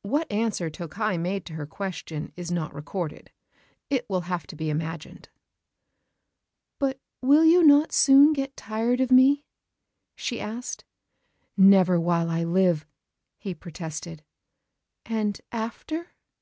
What answer Tokkei made to her question is not recorded: it will have to be imagined. "But will you not soon get tired of me?" she asked. "Never while I live!" he protested. "And after